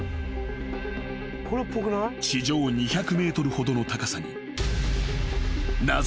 ［地上２００ｍほどの高さに］